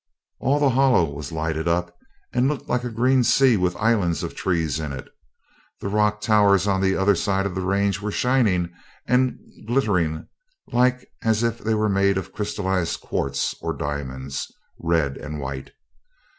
All the Hollow was lighted up, and looked like a green sea with islands of trees in it. The rock towers on the other side of the range were shining and glittering like as if they were made of crystallised quartz or diamonds red and white.